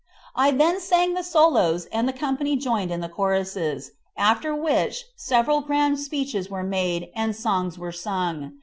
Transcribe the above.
I then sang the solos and the company joined in the choruses, after which several grand speeches were made, and songs were sung.